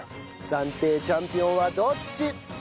暫定チャンピオンはどっち！？